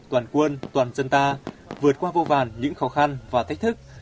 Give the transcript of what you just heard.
toàn quân toàn dân ta vượt qua vô vàn những khó khăn và thách thức